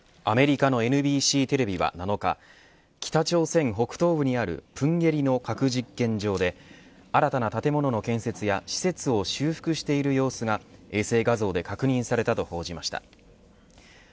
アメリカのＮＢＣテレビは７日北朝鮮北東部にある豊渓里の核実験場で新たな建物の建設や施設を修復している様子が衛星画像で確認されたと報じました。